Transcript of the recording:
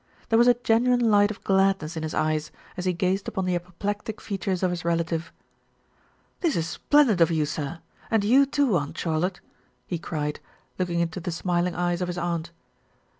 There was a genuine light of gladness in his eyes, as he gazed upon the apoplectic features of his relative. "This is splendid of you, sir, and you, too, Aunt Charlotte," he cried, looking into the smiling eyes of his aunt.